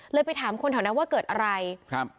ไปถามคนแถวนั้นว่าเกิดอะไรครับ